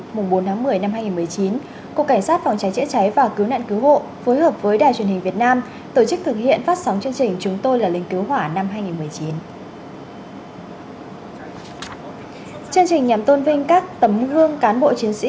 mùng bốn tháng một mươi năm hai nghìn một mươi chín cục cảnh sát phòng trái chữa cháy và cứu nạn cứu hộ phối hợp với đài truyền hình việt nam